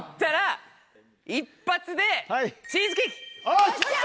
よっしゃ！